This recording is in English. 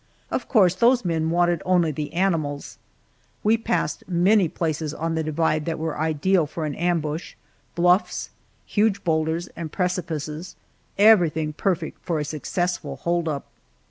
Of course those men wanted only the animals. We passed many places on the divide that were ideal for an ambush bluffs, huge boulders, and precipices everything perfect for a successful hold up.